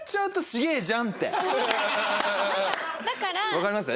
わかります？